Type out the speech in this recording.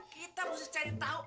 kita harus cari tau